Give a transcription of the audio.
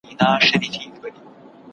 بې هدفه ژوند لکه بې کښتیو سفر دی.